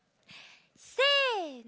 せの！